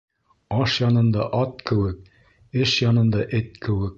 Аш янында ат кеүек, эш янында эт кеүек.